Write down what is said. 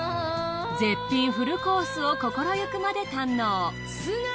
絶品フルコースを心ゆくまで堪能。